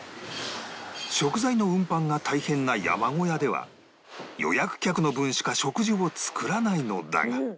食材の運搬が大変な山小屋では予約客の分しか食事を作らないのだが